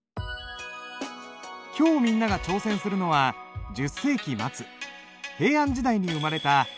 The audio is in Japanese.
今日みんなが挑戦するのは１０世紀末平安時代に生まれた「いろは歌」。